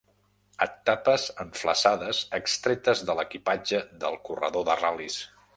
Et tapes amb flassades extretes de l'equipatge del corredor de ral·lis.